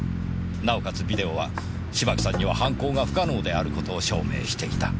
ビデオは芝木さんには犯行が不可能である事を証明していた。